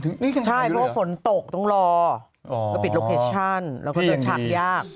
เพราะฝนตกต้องรอมีโลเคชั่นชักยาก